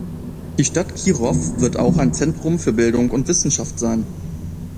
Die Stadt Kirov wird auch ein Zentrum für Bildung und Wissenschaft sein.